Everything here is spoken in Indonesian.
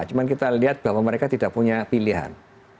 cuma kita lihat bahwa mereka tidak punya pilihan